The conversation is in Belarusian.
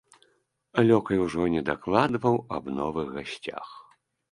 Лёкай ужо не дакладваў аб новых гасцях.